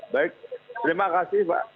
baik terima kasih pak